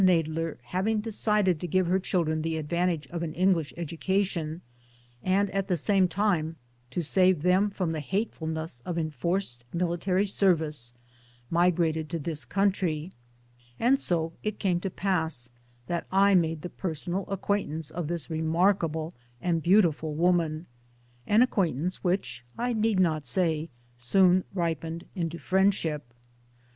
Nadler having, decided to give her children the advantage of an English education, and at the same time to save them from the hatefulness of enforced military service, migrated to this country, ; and so it came to pass that I made the personal acquaint ance of this remarkable and beautiful woman an acquaintance which, I need not say, soon ripened into friendship.